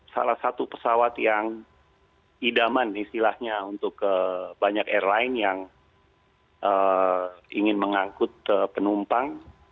salah satu pesawat yang idaman istilahnya untuk banyak airline yang ingin mengangkut penumpang